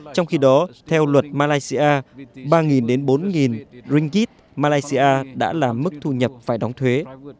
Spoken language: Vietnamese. trong khi đó theo luật malaysia ba bốn ringgit malaysia đã là mức thu nhập phải đóng thuế